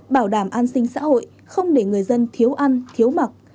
bảo đảm an sinh xã hội không để người dân thiếu ăn thiếu mặc